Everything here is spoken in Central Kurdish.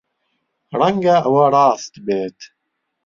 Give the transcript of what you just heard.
ڕەنگە ئەوە ڕاست بێت.